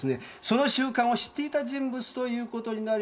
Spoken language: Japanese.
その習慣を知っていた人物ということになります。